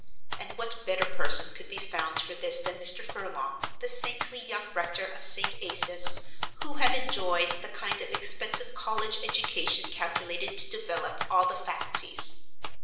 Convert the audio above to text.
And what better person could be found for this than Mr. Furlong, the saintly young rector of St. Asaph's, who had enjoyed the kind of expensive college education calculated to develop all the faculties.